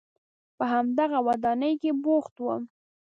په همدغه ودانۍ کې بوخت وم.